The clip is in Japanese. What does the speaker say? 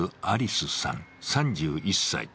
守さん３１歳。